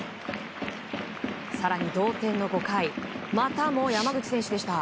更に同点の５回またも山口選手でした。